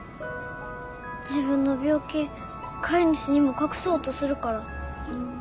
自分の病気飼い主にも隠そうとするから。